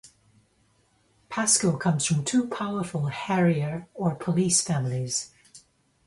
Pasco comes from two powerful "harrier", or police, families.